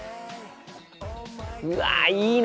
うわいいね！